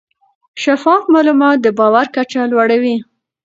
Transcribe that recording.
شفاف معلومات د باور کچه لوړه وي.